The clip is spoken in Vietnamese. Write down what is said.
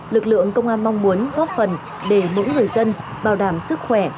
lực lượng công an mong muốn góp phần để mỗi người dân bảo đảm sức khỏe